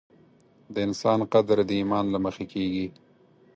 د انسان قدر د ایمان له مخې کېږي.